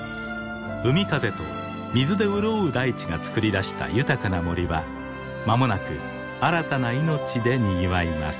海風と水で潤う大地がつくり出した豊かな森は間もなく新たな命でにぎわいます。